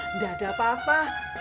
enggak ada apa apa